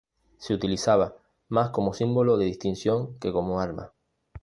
Se utilizaba más como símbolo de distinción que como arma.